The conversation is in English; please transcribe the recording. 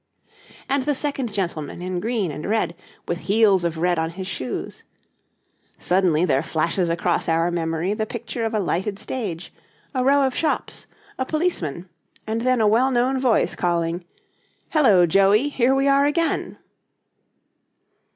And the second gentleman in green and red, with heels of red on his shoes? Suddenly there flashes across our memory the picture of a lighted stage, a row of shops, a policeman, and then a well known voice calling, 'Hello, Joey, here we are again!'